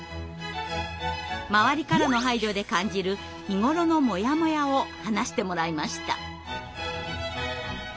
周りからの配慮で感じる日頃のモヤモヤを話してもらいました。